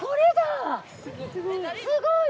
すごい！